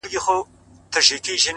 ځكه مي دعا.دعا.دعا په غېږ كي ايښې ده.